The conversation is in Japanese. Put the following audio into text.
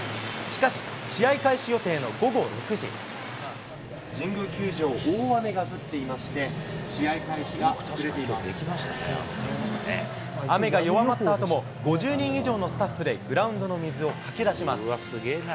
しかし、試合開始予定の午後神宮球場、大雨が降っていま雨が弱まったあとも、５０人以上のスタッフでグラウンドの水をかき出します。